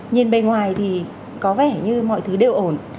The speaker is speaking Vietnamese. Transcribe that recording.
nhìn bề ngoài thì có vẻ như mọi thứ đều ổn